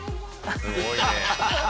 すごいね。